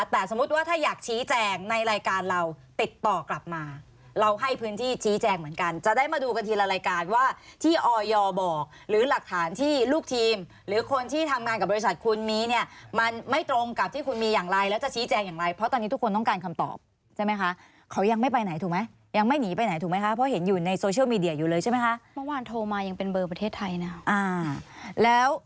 ถ้าอยากชี้แจงในรายการเราติดต่อกลับมาเราให้พื้นที่ชี้แจงเหมือนกันจะได้มาดูกันทีละรายการว่าที่ออยอร์บอกหรือหลักฐานที่ลูกทีมหรือคนที่ทำงานกับบริษัทคุณมีเนี่ยมันไม่ตรงกับที่คุณมีอย่างไรแล้วจะชี้แจงอย่างไรเพราะตอนนี้ทุกคนต้องการคำตอบใช่ไหมคะเขายังไม่ไปไหนถูกไหมยังไม่หนีไปไหนถูกไหมคะเพราะ